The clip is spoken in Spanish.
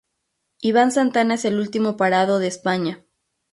Iván Santana es el último parado de España.